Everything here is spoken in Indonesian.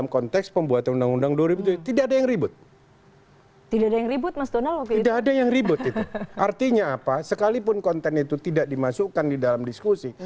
membicarakan masalah ini